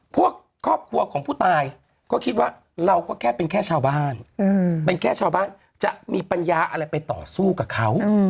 พวกครอบครัวของผู้ตายก็คิดว่าเราก็แค่เป็นแค่ชาวบ้านเป็นแค่ชาวบ้านจะมีปัญญาอะไรไปต่อสู้กับเขา